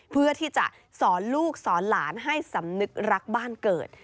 เพื่อที่จะสอนลูกสอนหลานให้สำนึกรักบ้านเกิด